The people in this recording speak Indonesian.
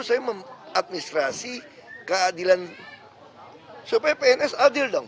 justru saya memadministrasi keadilan supaya pns adil dong